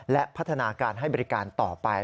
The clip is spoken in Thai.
และพัฒนาการให้บริการต่อไป